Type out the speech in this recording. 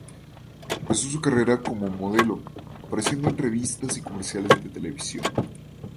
Empezó su carrera como modelo, apareciendo en revistas y comerciales de televisión.